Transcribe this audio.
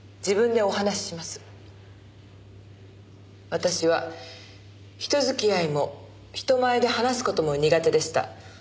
私は人付き合いも人前で話す事も苦手でした。